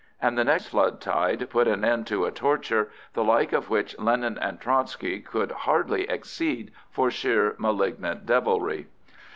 And the next flood tide put an end to a torture the like of which Lenin and Trotsky could hardly exceed for sheer malignant devilry.